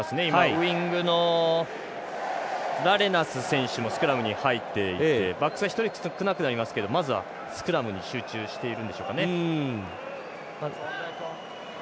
ウイングのラレナス選手もスクラムに入っていてバックスは一つ少なくなりますがまずはスクラムに集中しているんでしょうかね。